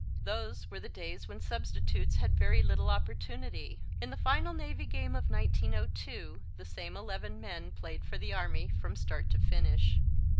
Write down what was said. Those were the days when substitutes had very little opportunity. In the final Navy game of 1902 the same eleven men played for the Army from start to finish.